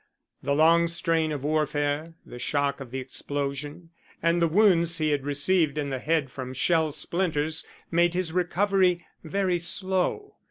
The long strain of warfare, the shock of the explosion and the wounds he had received in the head from shell splinters made his recovery very slow.